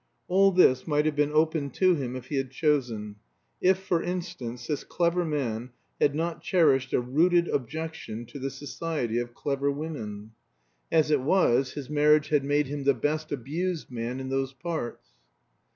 All this might have been open to him if he had chosen; if, for instance, this clever man had not cherished a rooted objection to the society of clever women. As it was, his marriage had made him the best abused man in those parts.